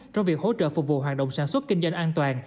trong việc hỗ trợ phục vụ hoạt động sản xuất kinh doanh an toàn